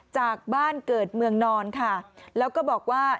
จากบ้านเกิดเมืองนอนค่ะแล้วก็บอกว่า